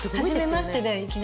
初めましてで。